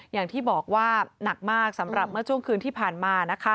อย่างที่บอกว่าหนักมากสำหรับเมื่อช่วงคืนที่ผ่านมานะคะ